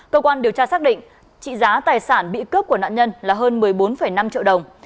cơ quan điều tra xác định trị giá tài sản bị cướp của nạn nhân là hơn một mươi bốn năm triệu đồng